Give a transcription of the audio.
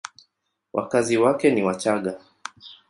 Wakazi wake ni Wachagga.